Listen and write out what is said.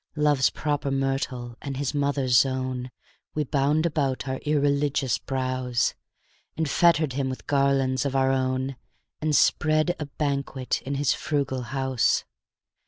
Love's proper myrtle and his mother's zone We bound about our irreligious brows, And fettered him with garlands of our own, And spread a banquet in his frugal house.